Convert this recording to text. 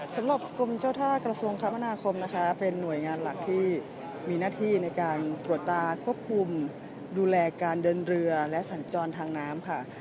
สำหรับกรมเจ้าท่ากระทรวงคมนาคมนะคะเป็นหน่วยงานหลักที่มีหน้าที่ในการตรวจตาควบคุมดูแลการเดินเรือและสัญจรทางน้ำค่ะ